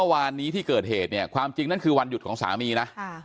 วานนี้ที่เกิดเหตุเนี่ยความจริงนั่นคือวันหยุดของสามีนะ